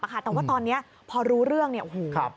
แต่ว่าตอนนี้พอรู้เรื่องอู๋